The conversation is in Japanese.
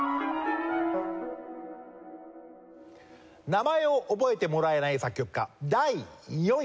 名前を覚えてもらえない作曲家第４位。